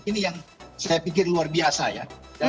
ini yang saya pikir luar biasa ya